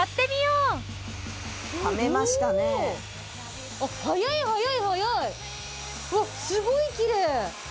うわっすごいきれい！